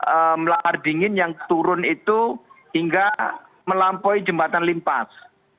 ada lahar dingin yang turun itu hingga melampaui jembatan limpas